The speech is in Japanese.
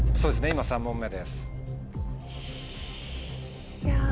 今３問目です。